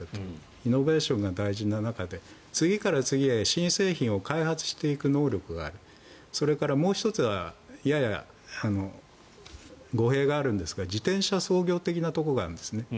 イノベーションが大事な中で次から次へ新製品を開発していく能力があるそれからもう１つはやや語弊があるんですが自転車操業的なところがあるんですね。